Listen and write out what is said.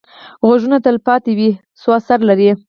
غږونه تلپاتې نه وي، خو اثر لري